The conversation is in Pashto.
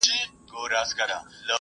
د تودو اوبو حمام غوره دی